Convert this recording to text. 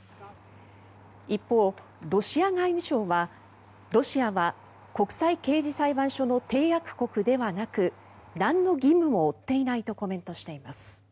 一方、ロシア外務省はロシアは国際刑事裁判所の締約国ではなくなんの義務も負っていないとコメントしています。